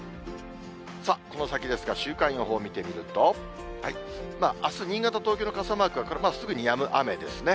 この先ですが、週間予報を見てみると、あす、新潟、東京の傘マークは、これはすぐやむ雨ですね。